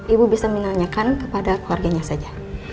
ibu bisa menanyakan kepada keluarganya saja